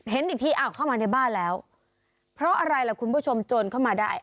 เห็นอีกทีอ้าวเข้ามาในบ้านแล้วเพราะอะไรล่ะคุณผู้ชมโจรเข้ามาได้